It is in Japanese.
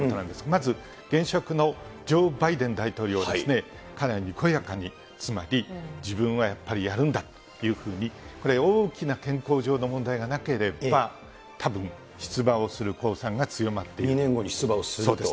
まず、現職のジョー・バイデン大統領ですね、かなりにこやかにつまり、自分はやっぱりやるんだというふうに、これ、大きな憲法上の問題がなければ、たぶん出馬をする公算が強まって２年後を出馬をすると。